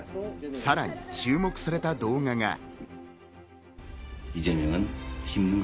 さらに注目された動画が。